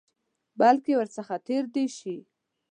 بلکې ورڅخه تېر دي شي.